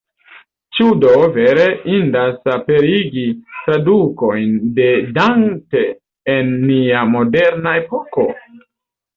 Ĉu do vere indas aperigi tradukojn de Dante en nia moderna epoko?